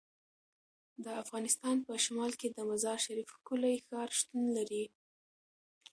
د افغانستان په شمال کې د مزارشریف ښکلی ښار شتون لري.